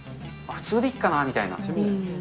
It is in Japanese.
普通でいいかなみたいな。